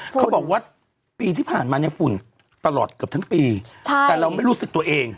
เขาบอกว่าปีที่ผ่านมาเนี่ยฝุ่นตลอดเกือบทั้งปีแต่เราไม่รู้สึกตัวเอง